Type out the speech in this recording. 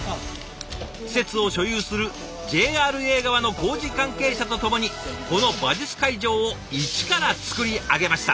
施設を所有するＪＲＡ側の工事関係者と共にこの馬術会場をイチからつくり上げました。